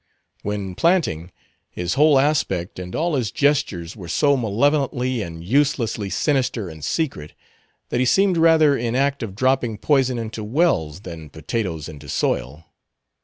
When planting, his whole aspect and all his gestures were so malevolently and uselessly sinister and secret, that he seemed rather in act of dropping poison into wells than potatoes into soil.